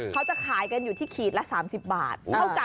เขาจะขายกันอยู่ที่ขีดละ๓๐บาท